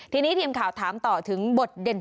ทีนี้ทีมข่าวถามต่อถึงบทเด่น